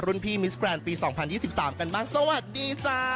พี่มิสแกรนด์ปี๒๐๒๓กันบ้างสวัสดีจ้า